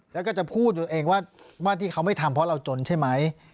แล้วก็จะพูดตัวเองว่าที่เขาไม่ทำเพราะเราจนใช่ไหม